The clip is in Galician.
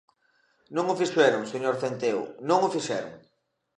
Non o fixeron, señor Centeo, ¡non o fixeron!